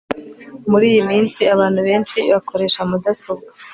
muri iyi minsi abantu benshi bakoresha mudasobwa